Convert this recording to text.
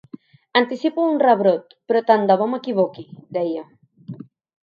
Anticipo un rebrot, però tant de bo m’equivoqui, deia.